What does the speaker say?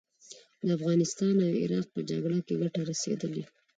د افغانستان او عراق په جګړه کې ګټه رسېدلې.